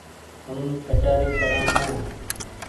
هم ڪچآري ڪرآن ڇآن ۔